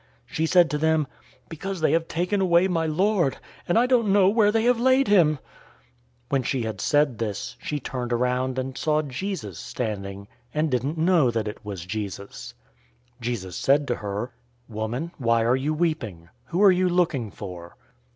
She said to them, "Because they have taken away my Lord, and I don't know where they have laid him." 020:014 When she had said this, she turned around and saw Jesus standing, and didn't know that it was Jesus. 020:015 Jesus said to her, "Woman, why are you weeping? Who are you looking for?"